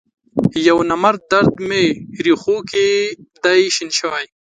یونامرد درد می رېښوکې دی شین شوی